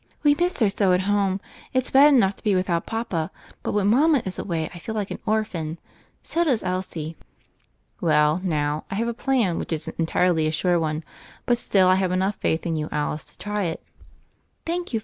"We miss her so at home. It's bad enough to be without papa, but when mama is away I feel like an orphan. So does Elsie." "Well, now, I have a plan which isn't entirely a sure one; but still I have enough faith in you, Alice, to try it." "Thank you.